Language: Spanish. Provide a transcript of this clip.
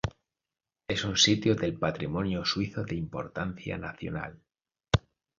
Es un sitio del patrimonio suizo de importancia nacional.